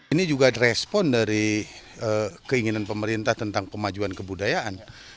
ini juga respon dari keinginan pemerintah tentang kemajuan kebudayaan